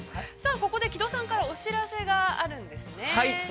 ここで木戸さんからお知らせがあるんですね。